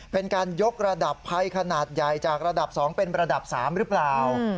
เป็นการยกระดับภัยขนาดใหญ่จากระดับ๒เป็นระดับ๓หรือเปล่า